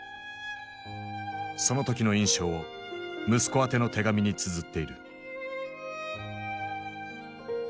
その時の印象を息子宛ての手紙につづっている。